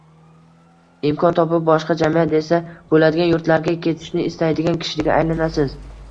imkon topib boshqa – «jamiyat» desa bo‘ladigan yurtlarga ketishni istaydigan kishiga aylanasiz.